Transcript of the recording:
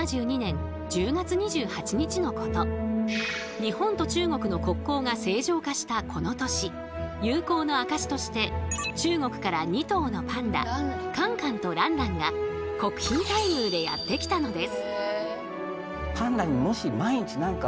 日本と中国の国交が正常化したこの年友好の証しとして中国から２頭のパンダカンカンとランランが国賓待遇でやって来たのです。